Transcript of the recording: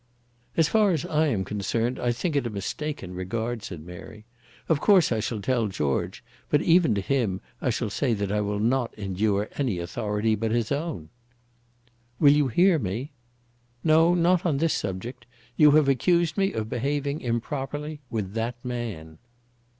"As far as I am concerned, I think it a mistaken regard," said Mary. "Of course I shall tell George; but even to him I shall say that I will not endure any authority but his own." "Will you hear me?" "No, not on this subject. You have accused me of behaving improperly with that man."